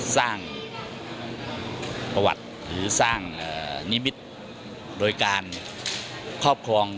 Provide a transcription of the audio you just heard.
สร้างประวัติหรือสร้างนิมิตรโดยการครอบครอง